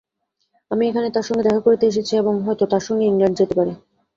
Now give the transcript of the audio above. আমি এখানে তাঁর সঙ্গে দেখা করতে এসেছি এবং হয়তো তাঁরই সঙ্গে ইংলণ্ডে যেতে পারি।